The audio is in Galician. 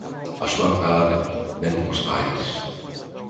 A súa cara vende postais.